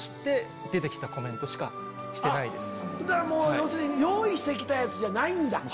要するに用意して来たやつじゃないんだ。